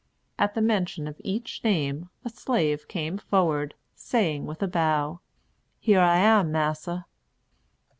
At the mention of each name, a slave came forward, saying with a bow, "Here I am, massa."